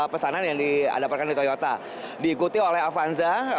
pesanan yang didapatkan di toyota diikuti oleh avanza